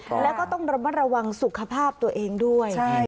แล้วก็ต้องระมัดระวังสุขภาพตัวเองด้วย